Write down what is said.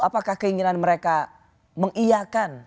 apakah keinginan mereka mengiyakan